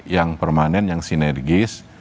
yang permanen yang sinergis